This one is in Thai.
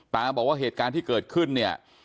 ตาบอกว่าเหตุการณ์ที่เกิดขึ้นเนี่ย